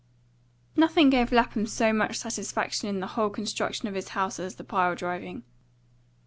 Nothing gave Lapham so much satisfaction in the whole construction of his house as the pile driving.